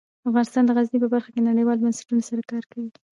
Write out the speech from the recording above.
افغانستان د غزني په برخه کې نړیوالو بنسټونو سره کار کوي.